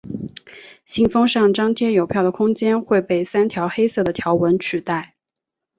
信封上张贴邮票的空间会被三条黑色的条纹取代。